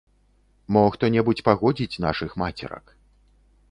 Мо хто-небудзь пагодзіць нашых мацерак.